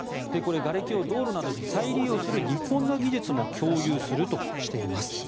がれきを道路などに再利用する日本の技術も共有するとしています。